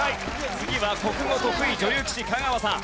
次は国語得意女流棋士香川さん。